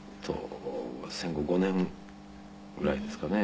戦後５年ぐらいですかね。